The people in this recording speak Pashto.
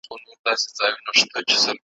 او د کلماتو ښکلا او پر ځای استعمال `